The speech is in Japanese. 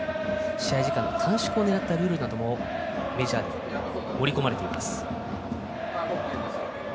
試合時間を短縮するためのルールもメジャーで盛り込まれています。